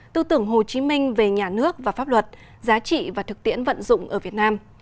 tư tưởng hồ chí minh về nhà nước và pháp luật giá trị và thực tiễn vận dụng ở việt nam